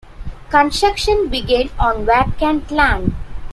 Construction began on vacant land.